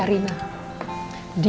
tapi pada mode